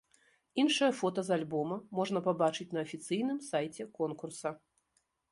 Іншыя фота з альбома можна пабачыць на афіцыйным сайце конкурса.